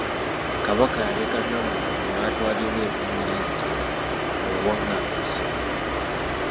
Kabaka yaleka Nnamulondo n'atwalibwa e Bungereza mu buwanganguse.